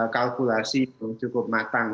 kalkulasi yang cukup matang